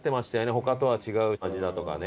他とは違う味だとかね。